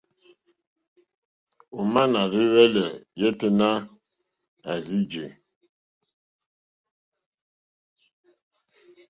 Òmá nà rzá hwɛ̄lɛ̀ yêténá à rzí jè.